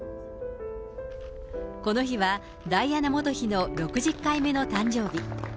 この日はダイアナ元妃の６０回目の誕生日。